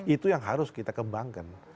itu yang harus kita kembangkan